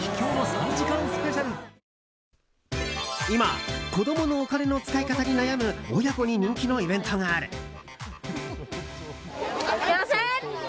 今、子供のお金の使い方に悩む親子に人気のイベントがある。